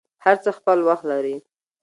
هر څه خپل وخت لري.